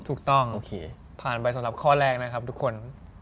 โอเคผ่านไปสำหรับข้อแรกนะครับทุกคน